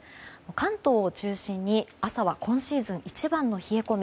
関東を中心に、朝は今シーズン一番の冷え込み。